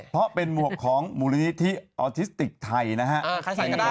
เพราะเป็นหมวกของมูลนิธิออทิสติกไทยนะฮะ